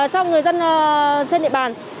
cho người dân trên địa bàn